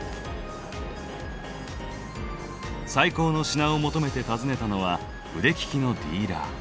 最高の品を求めて訪ねたのは腕利きのディーラー。